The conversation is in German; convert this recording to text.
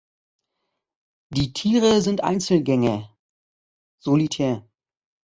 Die Tiere sind Einzelgänger (solitär).